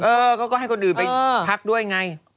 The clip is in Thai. เออเขาก็ให้คนอื่นไปพักด้วยไง